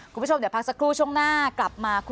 คุณผู้ชมเดี๋ยวพักซักครู่ช่วงหน้ากลับมาคุยกันกับ